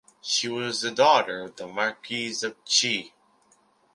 She was the daughter of the Marquis of Qi.